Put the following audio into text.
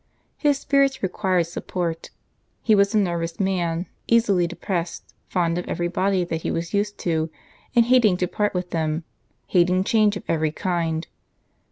His spirits required support. He was a nervous man, easily depressed; fond of every body that he was used to, and hating to part with them; hating change of every kind.